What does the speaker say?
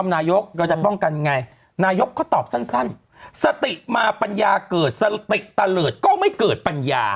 นายกเราจะป้องกันยังไงนายกก็ตอบสั้นสติมาปัญญาเกิดสติตะเลิศก็ไม่เกิดปัญญา